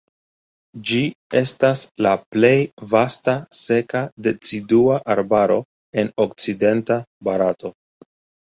Ĝi estas la plej vasta seka decidua arbaro en okcidenta Barato.